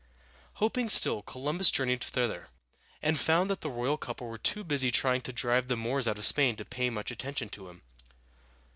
Hoping still, Columbus journeyed thither, and found that the royal couple were too busy trying to drive the Moors out of Spain to pay much attention to him.